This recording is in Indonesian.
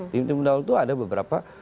tim tim pendahulu itu ada beberapa